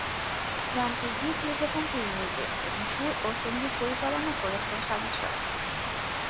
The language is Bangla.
গানটির গীত লিখেছেন তিনি নিজে এবং সুর ও সংগীত পরিচালনা করেছেন সাজিদ সরকার।